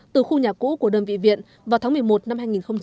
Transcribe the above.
từ khu nhà cũ của đơn vị viện vào tháng một mươi một năm hai nghìn một mươi bảy